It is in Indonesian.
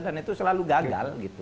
dan itu selalu gagal